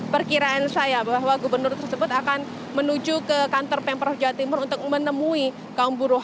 perkiraan saya bahwa gubernur tersebut akan menuju ke kantor pemprov jawa timur untuk menemui kaum buruh